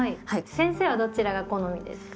先生はどちらが好みですか？